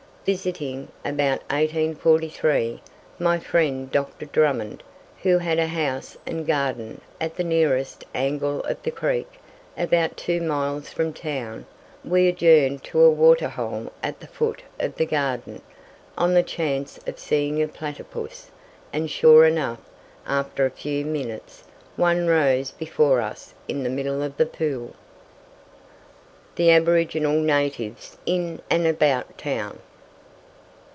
Visiting, about 1843, my friend Dr. Drummond, who had a house and garden at the nearest angle of the creek, about two miles from town, we adjourned to a "waterhole" at the foot of the garden, on the chance of seeing a platypus, and sure enough, after a very few minutes, one rose before us in the middle of the pool. THE ABORIGINAL NATIVES IN AND ABOUT TOWN.